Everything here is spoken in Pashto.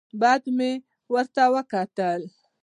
بد بد مې ورته وکتل.